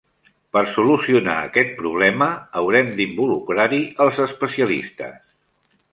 Per solucionar aquest problema haurem d'involucrar-hi els especialistes.